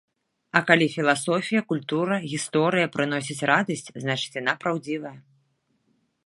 А калі філасофія, культура, гісторыя прыносіць радасць, значыць, яна праўдзівая.